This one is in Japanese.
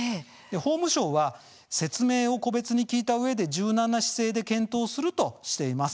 法務省は説明を個別に聞いたうえで柔軟な姿勢で検討するとしています。